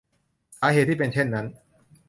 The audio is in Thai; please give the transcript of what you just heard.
สาเหตุที่เป็นเช่นนั้น